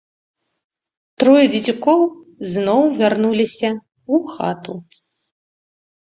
Трое дзецюкоў зноў вярнуліся ў хату.